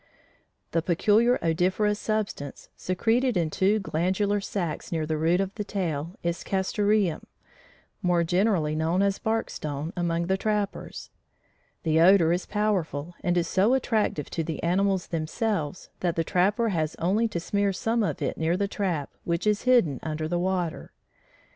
The peculiar odoriferous substance, secreted in two glandular sacs near the root of the tail, is "castoreum," more generally known as "bark stone" among the trappers. The odor is powerful and is so attractive to the animals themselves, that the trapper has only to smear some of it near the trap which is hidden under water.